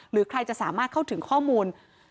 หรือใครจะสามารถเข้าถึงข้อมูล